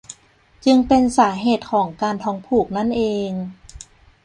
จึงเป็นสาเหตุของการท้องผูกนั่นเอง